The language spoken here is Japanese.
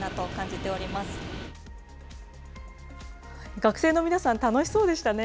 学生の皆さん、楽しそうでしたね。